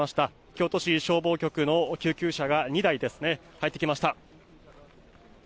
京都市消防局の救急車が２台ですね、入ってきました。